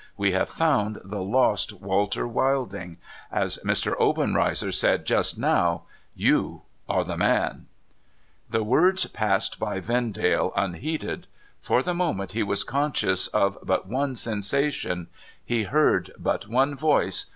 We have found the lost Walter Wilding. As Mr. Obenreizer said just now — you are the man !' The words passed by Vendale unheeded. For the moment he was conscious of but one sensation; he heard but one voice.